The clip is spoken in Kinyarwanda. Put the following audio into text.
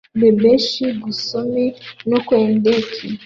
bebeshe gusome no kwendike,